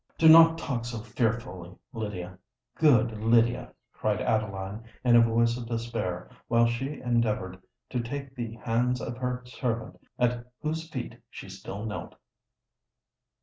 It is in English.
"Do not talk so fearfully, Lydia—good Lydia!" cried Adeline, in a voice of despair, while she endeavoured to take the hands of her servant, at whose feet she still knelt.